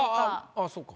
あっそうか。